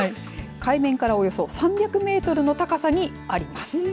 海面からおよそ３００メートルの高さにあります。